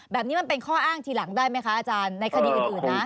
มันเป็นข้ออ้างทีหลังได้ไหมคะอาจารย์ในคดีอื่นนะ